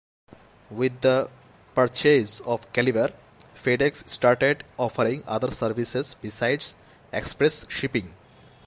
With the purchase of Caliber, FedEx started offering other services besides express shipping.